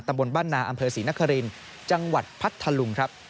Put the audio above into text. บนบ้านนาอำเภอศรีนครินจังหวัดพัทธลุงครับ